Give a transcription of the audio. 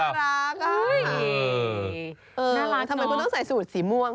น่ารักทำไมคุณต้องใส่สูตรสีม่วง